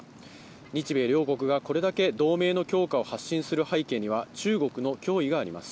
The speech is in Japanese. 日米両国がこれだけ同盟の強化を発信する背景には中国の脅威があります。